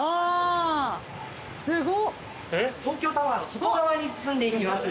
東京タワーの外側に進んでいきます。